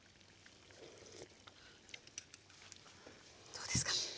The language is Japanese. どうですか？